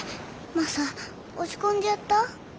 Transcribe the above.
マサ落ち込んじゃった？